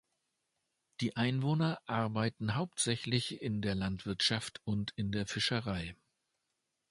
Die Einwohner arbeiten hauptsächlich in der Landwirtschaft und in der Fischerei.